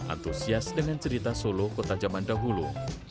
antusias dengan cerita solo kota zaman dahulu